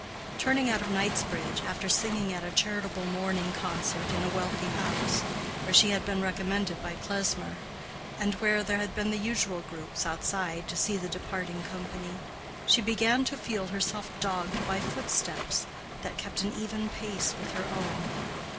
Turning out of Knightsbridge, after singing at a charitable morning concert in a wealthy house, where she had been recommended by Klesmer, and where there had been the usual groups outside to see the departing company, she began to feel herself dogged by footsteps that kept an even pace with her own.